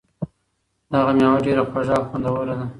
دغه مېوه ډېره خوږه او خوندوره ده.